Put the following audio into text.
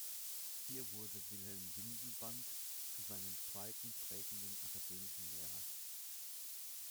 Hier wurde Wilhelm Windelband zu seinem zweiten prägenden akademischen Lehrer.